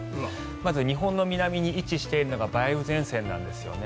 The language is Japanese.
まず日本の南に位置しているのが梅雨前線なんですね。